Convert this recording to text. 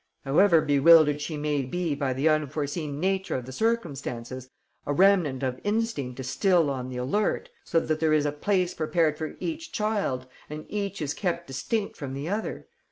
However bewildered she may be by the unforeseen nature of the circumstances, a remnant of instinct is still on the alert, so that there is a place prepared for each child and each is kept distinct from the other.